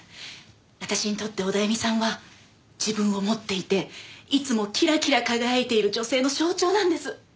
私にとってオダエミさんは自分を持っていていつもキラキラ輝いている女性の象徴なんです。